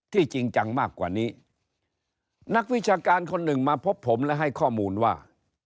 จริงจังมากกว่านี้นักวิชาการคนหนึ่งมาพบผมและให้ข้อมูลว่า